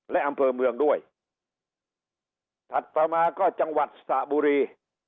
และอำเภอเมืองด้วยถัดต่อมาก็จังหวัดสระบุรี